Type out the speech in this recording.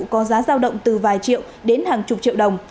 có giá giao động từ vài triệu đến hàng chục triệu đồng